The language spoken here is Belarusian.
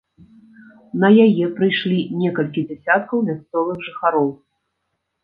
На яе прыйшлі некалькі дзясяткаў мясцовых жыхароў.